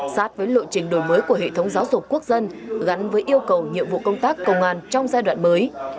sát với lộ trình đổi mới của hệ thống giáo dục quốc dân gắn với yêu cầu nhiệm vụ công tác công an trong giai đoạn mới